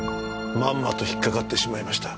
まんまと引っかかってしまいました。